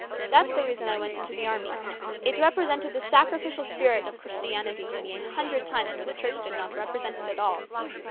That's the reason I went into the army. It represented the sacrificial spirit of Christianity to me a hundred times where the Church did not represent it at all.